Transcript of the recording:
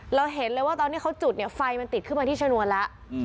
เราเห็นเลยว่าตอนที่เขาจุดเนี่ยไฟมันติดขึ้นมาที่ชนวนแล้ว